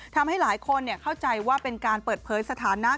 ทำให้หลายคนเข้าใจว่าเป็นการเปิดเผยสถานะ